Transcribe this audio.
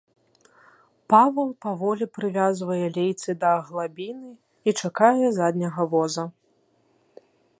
Павал паволі прывязвае лейцы да аглабіны і чакае задняга воза.